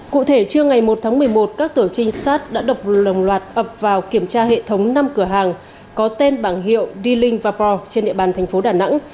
cụ thể trưa ngày một tháng một mươi một các tổ trinh sát đã độc lồng loạt ập vào kiểm tra hệ thống năm cửa hàng có tên bảng hiệu d link vapor trên địa bàn tp đà nẵng